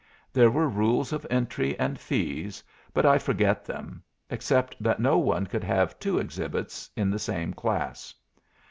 There were rules of entry and fees, but I forget them, except that no one could have two exhibits in the same class.